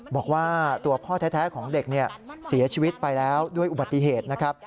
บอกว่าตัวพ่อแท้ของเด็กเสียชีวิตไปแล้วด้วยอุบัติเหตุนะครับ